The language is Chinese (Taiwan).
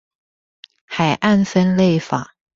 海岸分類法